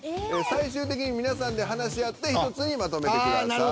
最終的に皆さんで話し合って１つにまとめてください。